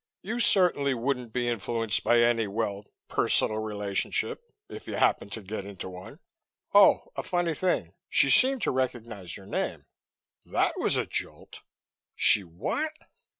You certainly wouldn't be influenced by any, well, personal relationship, if you happened to get into one. Oh, a funny thing. She seemed to recognize your name." That was a jolt. "She what?"